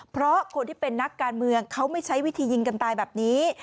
เพราะคนที่เป็นนักการเมืองเขาไม่ใช้วิธียิงกันตายแบบนี้